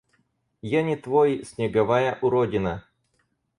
Я не твой, снеговая уродина.